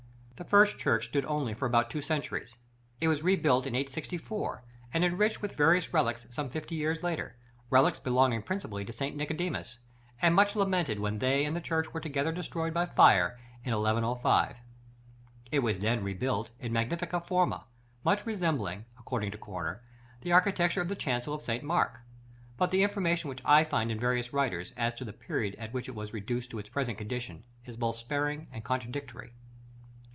The first church stood only for about two centuries. It was rebuilt in 864, and enriched with various relics some fifty years later; relics belonging principally to St. Nicodemus, and much lamented when they and the church were together destroyed by fire in 1105. It was then rebuilt in "magnifica forma," much resembling, according to Corner, the architecture of the chancel of St. Mark; but the information which I find in various writers, as to the period at which it was reduced to its present condition, is both sparing and contradictory.